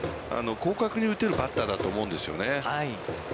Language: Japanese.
広角に打てるバッターだと思うんですよね。